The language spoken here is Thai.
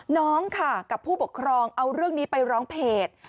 น้องค่ะกับผู้ปกครองเอาเรื่องนี้ไปร้องเพจ